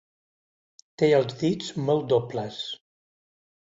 Té els dits molt dobles.